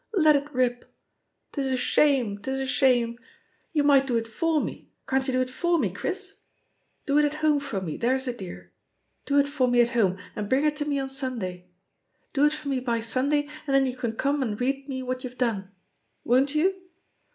"Let it ripl ..• *Tis a shame, 'tis a shame I You might do it for me — can't you do it for me, Chris? Do it at home for me, there's a dear ! Do it for me at home, and bring it to me on Sunday. Do it for me by Sunday, and then you can come and read me what you've done. Won't you?